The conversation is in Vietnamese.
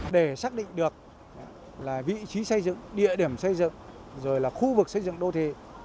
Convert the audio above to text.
để xác định được vị trí xây dựng địa điểm xây dựng rồi là khu vực xây dựng đô thị